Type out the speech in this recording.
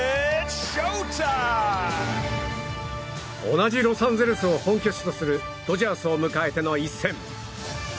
同じロサンゼルスを本拠地とするドジャースを迎えての一戦。